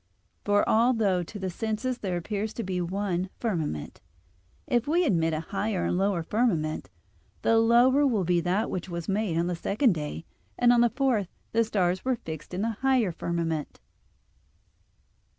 For although to the senses there appears but one firmament; if we admit a higher and a lower firmament, the lower will be that which was made on the second day, and on the fourth the stars were fixed in the higher firmament.